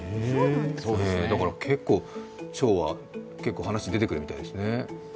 だから結構、腸は話に出てくるみたいですね。